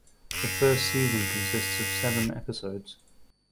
The first season consists of seven episodes.